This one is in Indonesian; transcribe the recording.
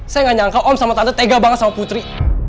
saya nggak nyangka om sama tante tega banget sama putri